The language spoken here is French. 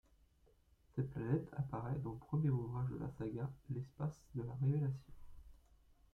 Cette planète apparait dans le premier ouvrage de la saga, L'Espace de la révélation.